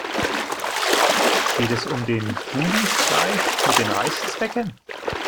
Geht es um den Bubenstreich mit den Reißzwecken?